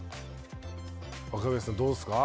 若林さんどうですか？